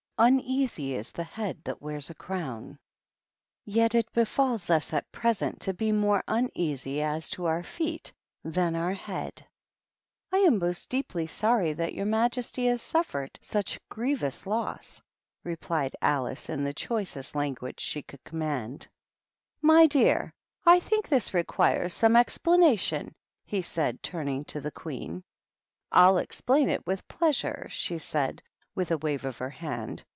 "* Uneasy is the head that wears a crcywn^ yet it befalls us at present to be more uneasy as to our feet than our head." 140 THE RED QUEEN AND THE DUCHESS. " I am most deeply sorry that your majesty has suffered such grievous loss," replied Alice in the choicest language she could command. " My dear, I think this requires some explanar tion," he said, turning to the Queen. " I'll explain it with pleasure," she said, with a wave of her hand.